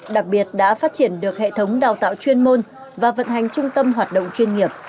đặc biệt đã phát triển được hệ thống đào tạo chuyên môn và vận hành trung tâm hoạt động chuyên nghiệp